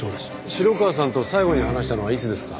城川さんと最後に話したのはいつですか？